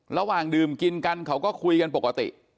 ระหว่างดื่มกินกันเขาก็คุยกันปกติ